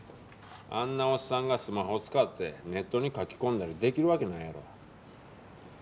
あんなおっさんがスマホ使ってネットに書き込んだりできるわけないやろ。